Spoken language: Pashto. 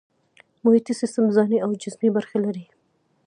محیطي سیستم ځانی او جسمي برخې لري